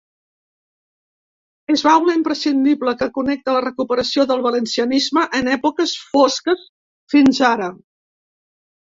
És baula imprescindible que connecta la recuperació del valencianisme en èpoques fosques fins ara.